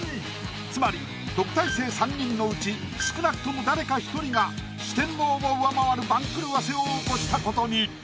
つまり特待生３人のうち少なくとも誰か１人が四天王を上回る番狂わせを起こしたことに。